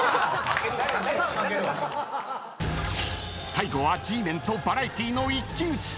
［最後はＧメンとバラエティの一騎打ち！］